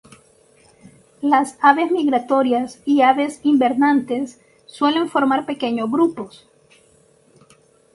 Las aves migratorias y aves invernantes suelen formar pequeños grupos.